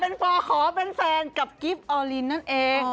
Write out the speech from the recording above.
เป็นปอขอเป็นแฟนกับกิฟต์ออลินนั่นเอง